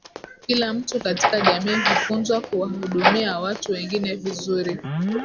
kila mtu katika jamii hufunzwa kuwahudumia watu wengine vizuri